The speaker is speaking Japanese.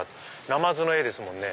なまずの絵ですもんね。